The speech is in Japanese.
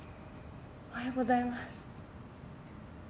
おはようございます。